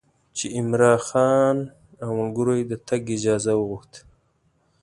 چې عمرا خان او ملګرو یې د تګ اجازه وغوښته.